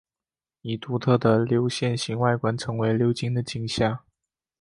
以独特的流线型外观成为流经的景象。